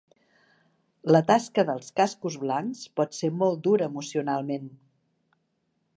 La tasca dels Cascos Blancs pot ser molt dura emocionalment.